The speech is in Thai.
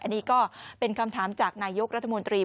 อันนี้ก็เป็นคำถามจากนายกรัฐมนตรี